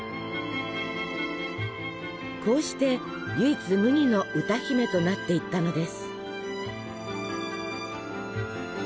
こうして唯一無二の歌姫となっていったのです。